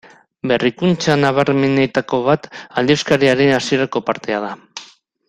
Berrikuntza nabarmenenetako bat aldizkariaren hasierako partea da.